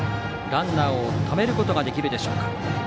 ランナーをためることができるでしょうか。